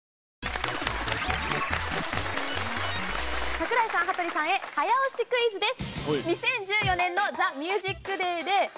櫻井さん羽鳥さんへ早押しクイズです。